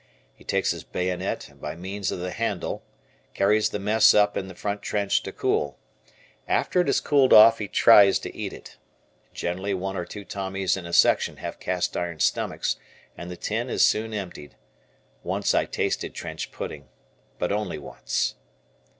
He takes his bayonet and by means of the handle carries the mess up in the front trench to cool. After it has cooled off he tries to eat it. Generally one or two Tommies in a section have cast iron stomachs and the tin is soon emptied. Once I tasted trench pudding, but only once.